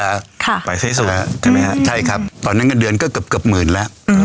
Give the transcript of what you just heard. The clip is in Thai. ใบใสสุดใช่มั้ยฮะใช่ครับต่อนั้นก็เดือนก็เกือบเกือบหมื่นแล้ว